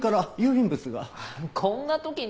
こんな時に？